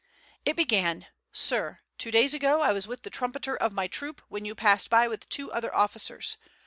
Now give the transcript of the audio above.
It began: "Sir, two days ago I was with the trumpeter of my troop when you passed by with two other officers.